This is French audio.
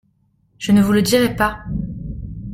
Je ne vous le dirai pas.